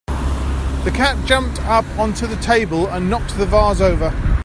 The cat jumped up onto the table and knocked the vase over.